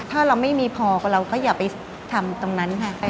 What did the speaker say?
ถ้าเราไม่มีพอเราก็อย่าไปทำตรงนั้นค่ะ